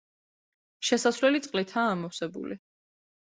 შესასვლელი წყლითაა ამოვსებული.